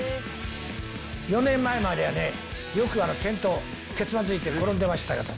４年前まではね、よく転倒、けつまずいて転んでましたよと。